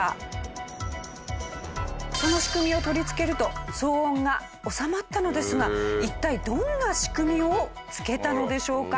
その仕組みを取り付けると騒音が収まったのですが一体どんな仕組みを付けたのでしょうか？